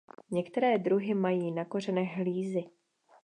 Některé druhy mají na kořenech hlízy.